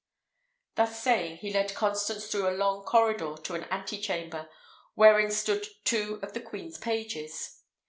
Thus saying, he led Constance through a long corridor to an ante chamber, wherein stood two of the queen's pages.